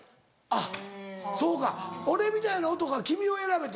あっそうか俺みたいな男は君を選べということ。